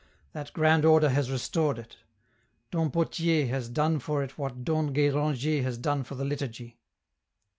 That grand Order has restored it. Dom Pothier has done for it what Dom Gudranger has done for the liturgy.